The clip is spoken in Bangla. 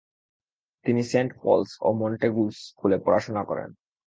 তিনি সেন্ট পল'স ও মন্টেগু'স স্কুলে পড়াশোনা করেন।